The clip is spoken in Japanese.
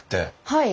はい。